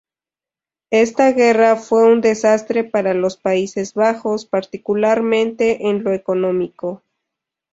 Ésta guerra fue un desastre para los Países Bajos, particularmente en lo económico.